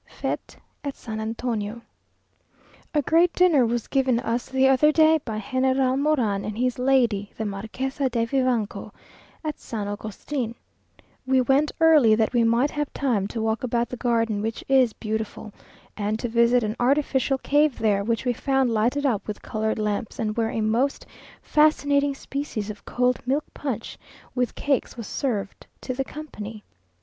Fête at San Antonio A great dinner was given us the other day by General Moran and his lady the Marquesa de Vivanco, at San Agustin. We went early that we might have time to walk about the garden, which is beautiful, and to visit an artificial cave there, which we found lighted up with coloured lamps, and where a most fascinating species of cold milk punch, with cakes, was served to the company.